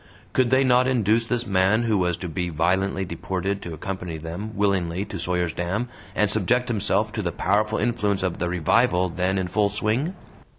Could they not induce this man who was to be violently deported to accompany them willingly to Sawyer's Dam and subject himself to the powerful influence of the "revival" then in full swing?